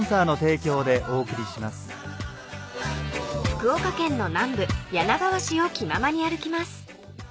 ［福岡県の南部柳川市を気ままに歩きます］